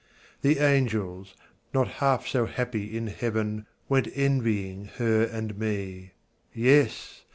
The angels, not half so happy in heaven, Went envying her and me Yes!